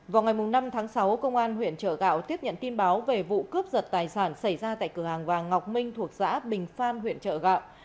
vào ngày năm tháng sáu công an huyện chợ gạo tiếp nhận tin báo về vụ cướp giật tài sản xảy ra tại cửa hàng vàng ngọc minh thuộc xã bình phan huyện chợ gạo